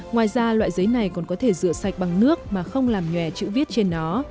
ngoài ra loại giấy này còn có thể rửa sạch bằng nước mà không làm nhòe chữ viết trên nó